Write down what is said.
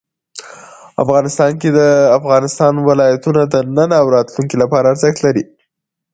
افغانستان کې د افغانستان ولايتونه د نن او راتلونکي لپاره ارزښت لري.